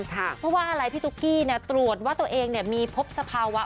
เพราะว่าอะไรพี่ตุ๊กกี้ตรวจว่าตัวเองมีพบสภาวะ